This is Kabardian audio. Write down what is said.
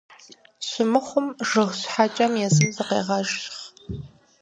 Щымыхъум, жыг щхьэкӀэм езым зыкъегъэщхъ.